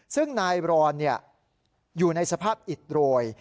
ซึ่งนายรอนอยู่ในสภาพอิดโรย